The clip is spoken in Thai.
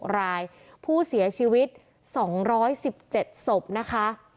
รายผู้เสียชีวิต๒๑๗ศพนะคะ